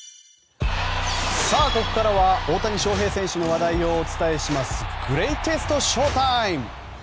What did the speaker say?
ここからは大谷翔平選手の話題をお伝えするグレイテストＳＨＯ‐ＴＩＭＥ。